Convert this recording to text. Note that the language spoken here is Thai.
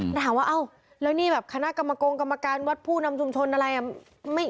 แล้วถามว่าเอ้าแล้วนี่แบบคณะกรรมการกงกรรมการวัดผู้นำชุมชนอะไรอ่ะ